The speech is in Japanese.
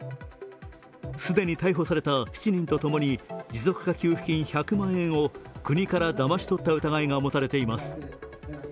既に逮捕された７人と共に持続化給付金１００万円を国からだまし取った疑いが持たれています。